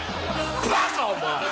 バカ！お前。